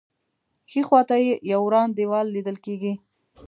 ښی خوا ته یې یو وران دیوال لیدل کېږي.